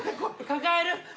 抱える？